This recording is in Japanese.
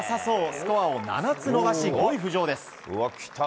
スコアを７つ伸ばし５位浮上です。